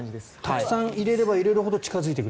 たくさん入れれば入れるほど近付いてくると。